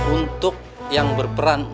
untuk yang berperan